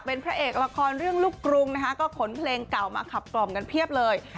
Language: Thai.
เป็นพระเอกละครเรื่องลูกกรุงนะคะก็ขนเพลงเก่ามาขับกล่อมกันเพียบเลย